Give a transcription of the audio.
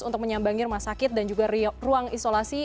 untuk menyambangi rumah sakit dan juga ruang isolasi